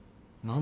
何？